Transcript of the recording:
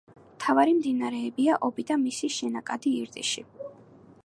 მთავარი მდინარეებია ობი და მისი შენაკადი ირტიში.